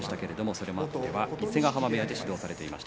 それまでは伊勢ヶ濱部屋で指導されていました。